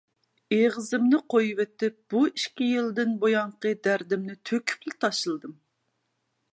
ئېغىزىمنى قويۇۋېتىپ بۇ ئىككى يىلدىن بۇيانقى دەردىمنى تۆكۈپلا تاشلىدىم.